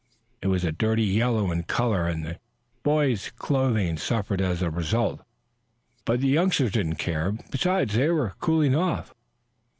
It was a dirty yellow in color and the boys' clothing suffered as a result. But the youngsters did not care. Besides, they were cooling off.